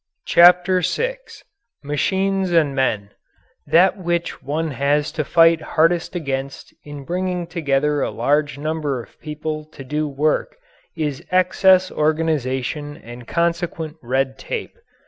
CHAPTER VI MACHINES AND MEN That which one has to fight hardest against in bringing together a large number of people to do work is excess organization and consequent red tape.